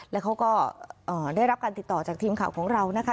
แล้วเขาก็ได้รับการติดต่อจากทีมข่าวของเรานะคะ